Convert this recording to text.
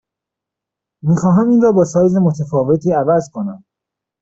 می خواهم این را با سایز متفاوتی عوض کنم.